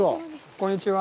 こんにちは。